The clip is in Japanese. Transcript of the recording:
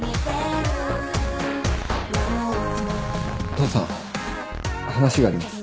父さん話があります。